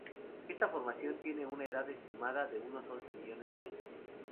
Esta formación tiene una edad estimada de unos once millones de años.